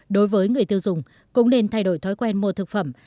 đối với người tiêu dùng cũng nên thay đổi thói quen mua thực phẩm